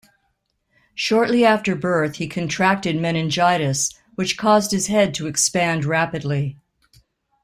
Shortly after birth he contracted meningitis, which caused his head to expand rapidly.